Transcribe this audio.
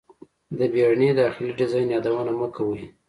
د بیړني داخلي ډیزاین یادونه مه کوئ